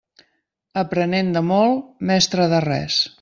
Aprenent de molt, mestre de res.